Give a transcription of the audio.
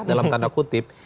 dalam tanda kutip